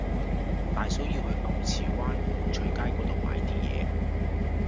大嫂要去牛池灣沐翠街嗰度買啲嘢